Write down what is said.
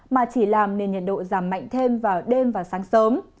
mà chỉ làm nền nhiệt độ giảm mạnh thêm vào đêm và sáng sớm